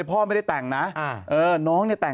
พ่อไม่ได้แต่งนะน้องเนี่ยแต่ง